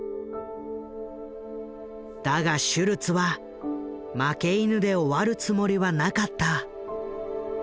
だがシュルツは負け犬で終わるつもりはなかった。